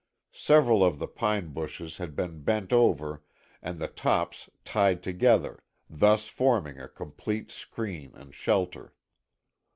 Several of the pine bushes had been bent over and the tops tied together, thus forming a complete screen and shelter.